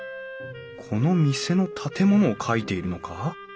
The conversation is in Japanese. この店の建物を描いているのか？